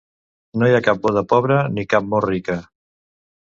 No hi ha cap boda pobra, ni cap mort rica.